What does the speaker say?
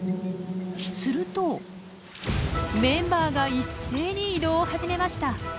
するとメンバーが一斉に移動を始めました。